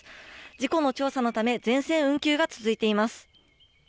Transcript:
事故の調査のため、全線運休が続いています。